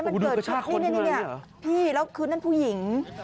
คือเขาเป็นผู้หญิง